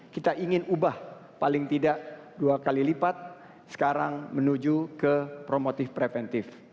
kita ingin ubah paling tidak dua kali lipat sekarang menuju ke promotif preventif